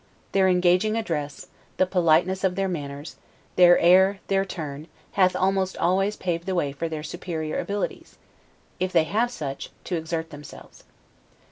Their engaging address, the politeness of their manners, their air, their turn, hath almost always paved the way for their superior abilities, if they have such, to exert themselves.